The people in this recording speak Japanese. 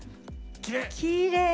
きれい！